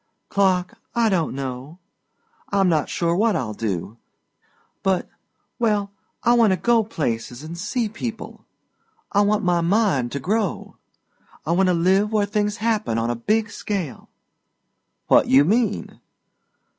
"Clark, I don't know. I'm not sure what I'll do, but well, I want to go places and see people. I want my mind to grow. I want to live where things happen on a big scale." "What you mean?"